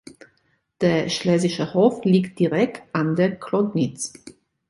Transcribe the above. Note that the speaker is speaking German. Der Schlesische Hof liegt direkt an der Klodnitz.